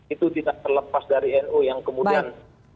itu tidak terlepas dari nu yang kemudian